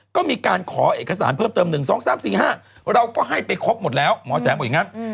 ก็มีการขอเอกสารเพิ่มเติม๑๒๓๔๕เราก็ให้ไปครบหมดแล้วหมอแสงบอกอย่างนั้น